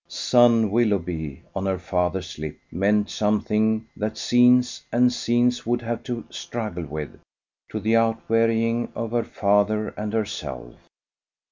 "Son Willoughby" on her father's lips meant something that scenes and scenes would have to struggle with, to the out wearying of her father and herself.